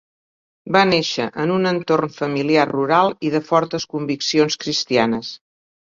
Va néixer en un entorn familiar rural i de fortes conviccions cristianes.